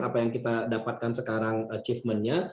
apa yang kita dapatkan sekarang achievementnya